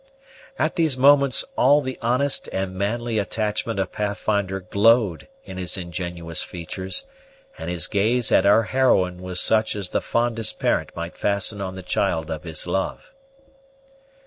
At these moments all the honest and manly attachment of Pathfinder glowed in his ingenuous features, and his gaze at our heroine was such as the fondest parent might fasten on the child of his love.